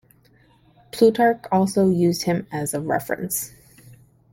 Plutarch also used him as a reference.